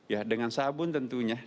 ya dengan sabun tentunya